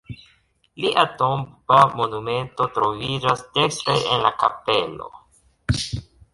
Lia tomba monumento troviĝas dekstre en la kapelo.